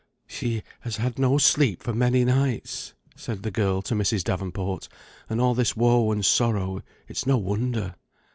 "She has had no sleep for many nights," said the girl to Mrs. Davenport, "and all this woe and sorrow, it's no wonder."